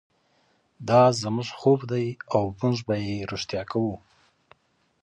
دا زموږ خوب دی او موږ به یې ریښتیا کړو.